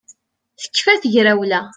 Tekfa tegrawla